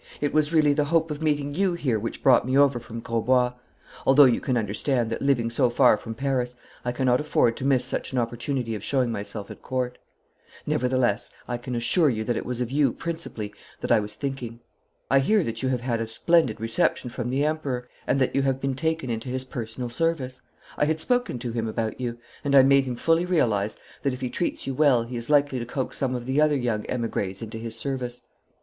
'It was really the hope of meeting you here which brought me over from Grosbois although you can understand that living so far from Paris I cannot afford to miss such an opportunity of showing myself at Court. Nevertheless I can assure you that it was of you principally that I was thinking. I hear that you have had a splendid reception from the Emperor, and that you have been taken into his personal service. I had spoken to him about you, and I made him fully realise that if he treats you well he is likely to coax some of the other young emigres into his service.'